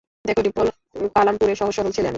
দেখ ডিম্পল, পালামপুরের সহজ-সরল ছেলে আমি।